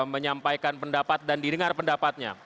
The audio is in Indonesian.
menyampaikan pendapat dan didengar pendapatnya